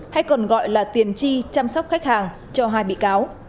hay còn gọi là tiền chi chăm sóc khách hàng cho hai bị cáo